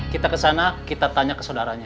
kita ke sana kita tanya ke saudaranya